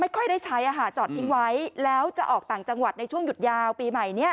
ค่อยได้ใช้จอดทิ้งไว้แล้วจะออกต่างจังหวัดในช่วงหยุดยาวปีใหม่นี้